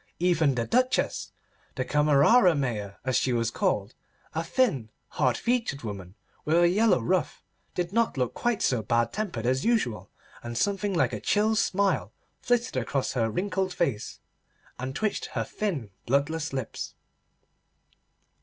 Even the Duchess—the Camerera Mayor as she was called—a thin, hard featured woman with a yellow ruff, did not look quite so bad tempered as usual, and something like a chill smile flitted across her wrinkled face and twitched her thin bloodless lips.